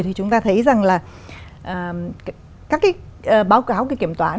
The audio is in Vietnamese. thì chúng ta thấy rằng là các cái báo cáo cái kiểm toán